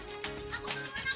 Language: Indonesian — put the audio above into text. aku nurutan aku nurut